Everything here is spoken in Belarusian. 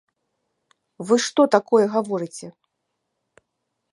Вы што такое гаворыце!